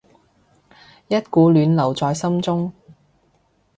一股暖流在心中